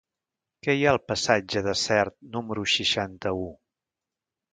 Què hi ha al passatge de Sert número seixanta-u?